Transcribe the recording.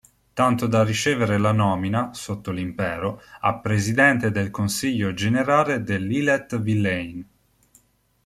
Tanto da ricevere la nomina, sotto l'Impero, a presidente del Consiglio generale dell'Ille-et-Vilaine.